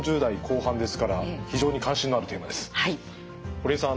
堀江さん